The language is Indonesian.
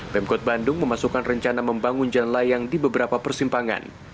pemkot bandung memasukkan rencana membangun jalan layang di beberapa persimpangan